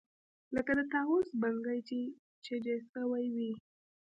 لکه د طاووس بڼکې چې چجه سوې وي.